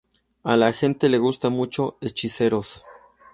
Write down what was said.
A la gente le gustó mucho "Hechiceros"".